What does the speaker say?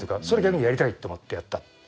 それ逆にやりたいって思ってやった。